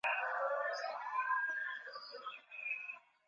Wamisri walihubiri Injili huko Kuanzia mwaka Mia sita wakazi wengi wa